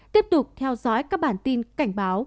tiếp tục theo dõi các bản tin cảnh báo